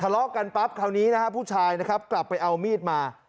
ทะเลาะกันปั๊บคราวนี้นะฮะผู้ชายนะครับกลับไปเอามีดมา